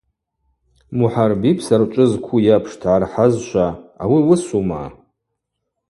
Мухӏарби псарчӏвы зкву йапш дгӏархӏазшва: Ауи уысума?